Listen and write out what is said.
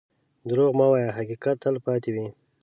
دروغ مه وایه، حقیقت تل پاتې وي.